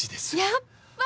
やっぱり！